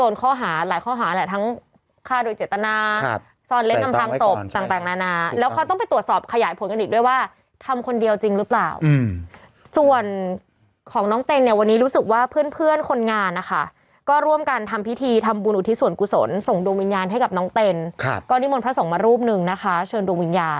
ใช่ค่ะก็จะถึงเอ่อตรงนครพนมบ้านแพงอืมตรงนั้นก็ไปอีกที่หนึ่งที่สักสิทธิ์อ่า